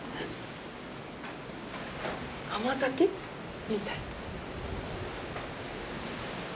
甘酒みたい。